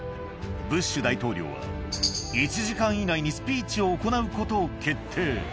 ブッシュ大統領は、１時間以内にスピーチを行うことを決定。